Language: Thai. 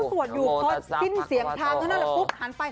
สวดอยู่พอสิ้นเสียงทางเท่านั้นแหละปุ๊บหันไป